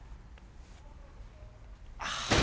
ああ。